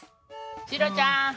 シロちゃん。